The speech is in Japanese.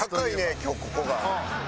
今日ここが。